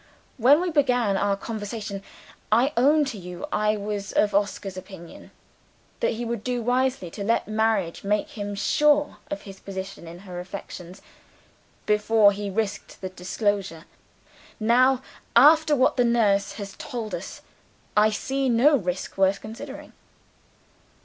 When we began our conversation, I own to you I was of Oscar's opinion that he would do wisely to let marriage make him sure of his position in her affections, before he risked the disclosure. Now after what the nurse has told us I see no risk worth considering."